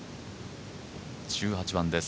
１８番です。